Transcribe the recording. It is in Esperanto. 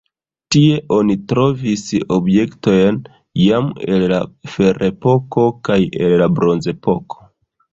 Tie oni trovis objektojn jam el la ferepoko kaj el la bronzepoko.